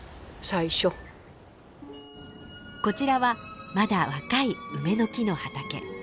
こちらはまだ若い梅の木の畑。